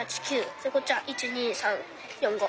でこっちは１２３４５。